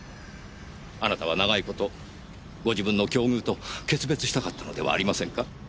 あなたは長い事ご自分の境遇と決別したかったのではありませんか？